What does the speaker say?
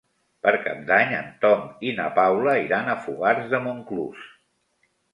Per Cap d'Any en Tom i na Paula iran a Fogars de Montclús.